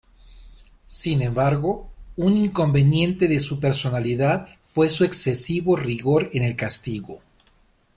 Sin embargo, un inconveniente de su personalidad fue su excesivo rigor en el castigo.